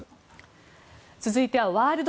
続いてはワールド！